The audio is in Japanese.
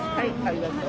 はい！